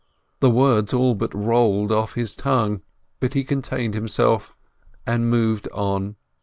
The words all but rolled off his tongue, but he contained himself, and moved on.